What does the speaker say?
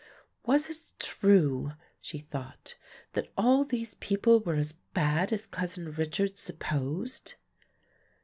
"Was it true," she thought, "that all these people were as bad as Cousin Richard supposed?"